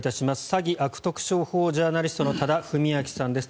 詐欺・悪徳商法ジャーナリストの多田文明さんです。